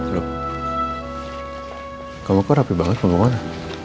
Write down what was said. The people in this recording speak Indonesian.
lu kamu kok rapi banget mau ke mana